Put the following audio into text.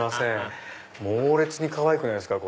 猛烈にかわいくないですか？